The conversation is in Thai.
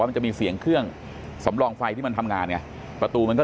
มันจะมีเสียงเครื่องสำรองไฟที่มันทำงานไงประตูมันก็